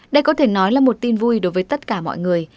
đây có thể nói là một tin vui đối với tất cả mọi người